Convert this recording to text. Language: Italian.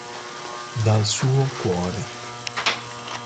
Dal suo cuore.